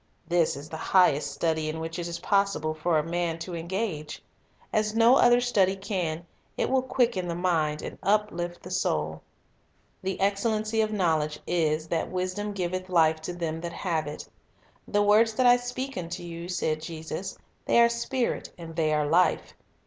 This is the highest study in which it is possible for man to engage. As no other study can, it will quicken the mind and uplift the soul. "The excellency of knowledge is, that wisdom" giveth life to them that have it." "The Avords that I speak unto you," said Jesus, "they are spirit, and they are life."